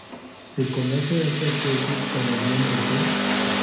Se conoce a esta especie con los nombres de